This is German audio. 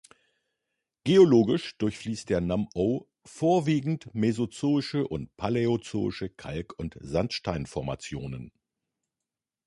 Geologisch durchfließt der Nam Ou vorwiegend mesozoische und paläozoische Kalk- und Sandsteinformationen.